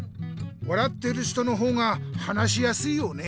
笑っている人の方が話しやすいよね。